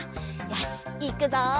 よしいくぞ！